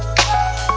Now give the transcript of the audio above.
terima kasih ya allah